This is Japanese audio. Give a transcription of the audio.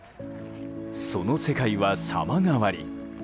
その世界は様変わり。